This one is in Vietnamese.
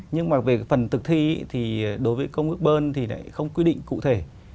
nhưng mà về phần thực thi thì đối với công ước bơn thì lại không quy định cụ thể